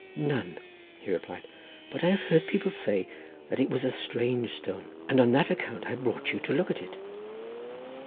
"None," he replied; "but I have heard people say that it was a strange stone and on that account I brought you to look at it."